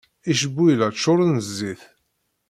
Icbuyla ččuren d zzit.